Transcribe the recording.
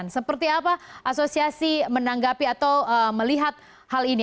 seperti apa asosiasi menanggapi atau melihat hal ini